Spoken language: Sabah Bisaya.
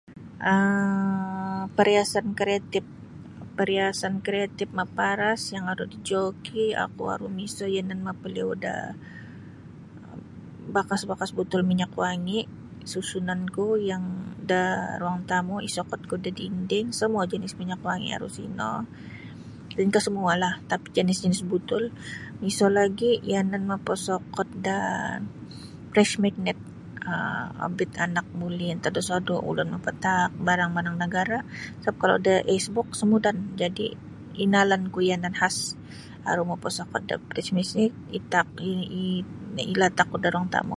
um pariasan kreatif pariasan kreatif maparas yang aru dijoki oku aru miso yanan mapaliyou da bakas-bakas butul minyak wangi' susunanku yang da ruang tamu isokotku da dinding samua jinis minyak wangi aru sino lainkah samualah tapi jinis-jinis butul miso lagi yanan mapasokot da fridge magnet um obit anak muli' antad da sodu' ulun mapataak barang-barang nagara' sabap kalau da aisbuk isa' mudan jadi' inalanku yanan khas aru mapasokot da fridge magnet itaak ilatakku da ruang tamu'.